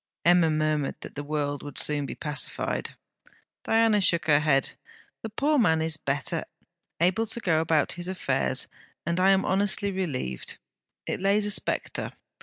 Emma murmured that the world would soon be pacified. Diana shook her head. 'The poor man is better; able to go about his affairs; and I am honestly relieved. It lays a spectre.